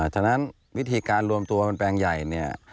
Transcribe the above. ฉะนั้นวิธีการรวมตัวเป็นแปลงใหญ่เนี่ย